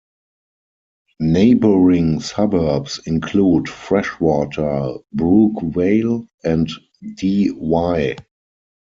Neighbouring suburbs include Freshwater, Brookvale and Dee Why.